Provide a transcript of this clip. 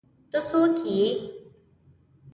ته څوک ئې؟